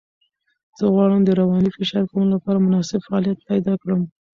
زه غواړم د رواني فشار کمولو لپاره مناسب فعالیت پیدا کړم.